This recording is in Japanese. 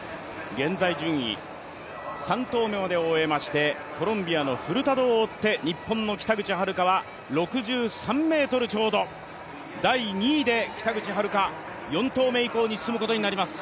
現在順位、３投目までを終えましてコロンビアのフルタドを追って日本の北口榛花は６３ｍちょうど、第２位で北口榛花４投目以降に進むことになります。